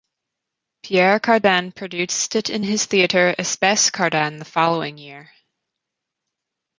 Pierre Cardin produced it in his theater "Espace Cardin" the following year.